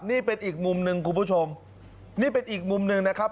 นี่เป็นอีกมุมหนึ่งคุณผู้ชมนี่เป็นอีกมุมหนึ่งนะครับ